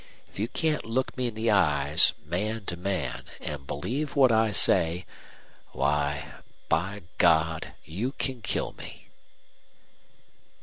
If you can't look me in the eyes, man to man, and believe what I say why, by God! you can kill me!"